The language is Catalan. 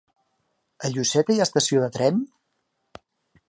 A Lloseta hi ha estació de tren?